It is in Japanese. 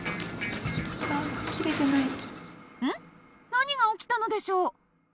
何が起きたのでしょう？